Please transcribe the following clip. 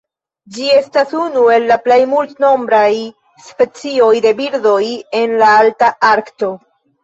Ĝi estas unu el la plej multnombraj specioj de birdoj en la Alta Arkto.